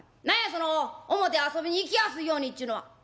何やその表遊びに行きやすいようにっちゅうのは」。